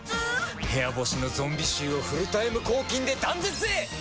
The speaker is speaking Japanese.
部屋干しのゾンビ臭をフルタイム抗菌で断絶へ！